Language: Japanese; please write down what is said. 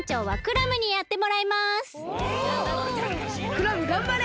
クラムがんばれ！